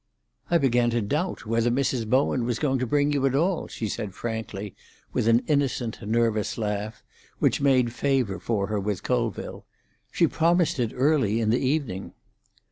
"I began to doubt whether Mrs. Bowen was going to bring you at all," she said frankly, with an innocent, nervous laugh, which made favour for her with Colville. "She promised it early in the evening."